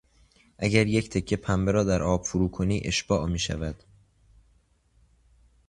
اگر یک تکه پنبه را در آب فرو کنی اشباع میشود.